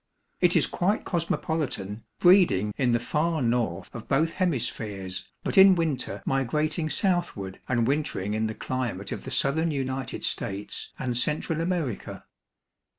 It is quite cosmopolitan, breeding in the far north of both hemispheres, but in winter migrating southward and wintering in the climate of the southern United States and Central America.